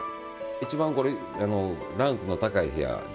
一番これランクの高い部屋ですね。